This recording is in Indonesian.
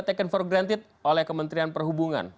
tak terlalu diperlukan oleh kementerian perhubungan